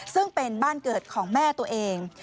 ซึ่งเป็นบ้านเกิดของแม่ตัวเอง